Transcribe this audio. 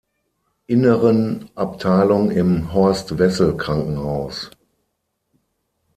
Inneren Abteilung im Horst-Wessel-Krankenhaus.